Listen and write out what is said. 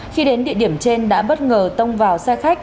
khi đến địa điểm trên đã bất ngờ tông vào xe khách